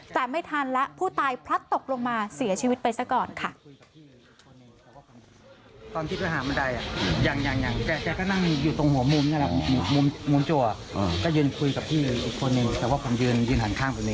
แต่ไม่ทันแล้วผู้ตายพลัดตกลงมาเสียชีวิตไปซะก่อนค่ะ